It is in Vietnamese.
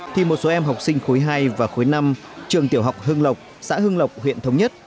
thì một số em học sinh khối hai và khối năm trường tiểu học hương lộc xã hương lộc huyện thống nhất